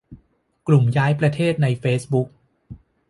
กลุ่มย้ายประเทศในเฟซบุ๊ก